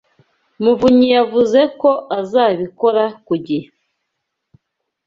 muvunyi yavuze ko azabikora ku gihe.